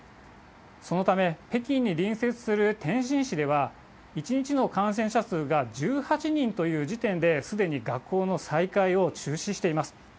そのため、北京に隣接する天津市では、１日の感染者数が１８人という時点で、すでに学校の再開を中止しています。